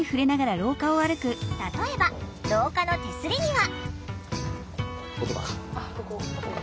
例えば廊下の手すりには。